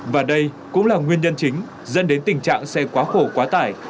và đây cũng là nguyên nhân chính dẫn đến tình trạng xe quá khổ quá tải